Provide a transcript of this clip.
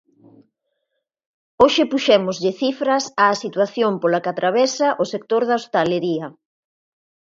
Hoxe puxémoslle cifras á situación pola que atravesa o sector da hostalería.